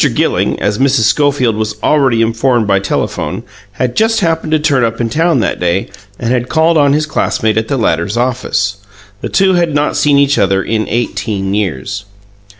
Gilling, as Mrs. Schofield was already informed by telephone, had just happened to turn up in town that day, and had called on his classmate at the latter's office. The two had not seen each other in eighteen years.